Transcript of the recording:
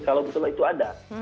kalau betul itu ada